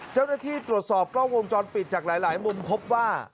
เจ้าหน้าที่ตรวจสอบกล้องวงจรปิดจากหลายมุมพบว่า